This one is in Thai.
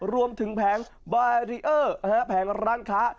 รวมถึงแผงบารีเออร์แผงร้านค้า